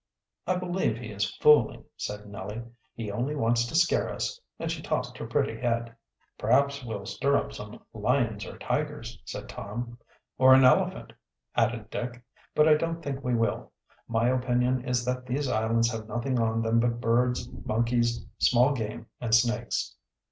"I believe he is fooling," said Nellie. "He only wants to scare us!" And she tossed her pretty head. "Perhaps we'll stir up some lions or tigers," said Tom. "Or an elephant," added Dick. "But I don't think we will. My opinion is that these islands have nothing on them but birds, monkeys, small game, and snakes."